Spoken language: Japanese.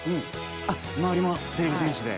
あ周りもてれび戦士で。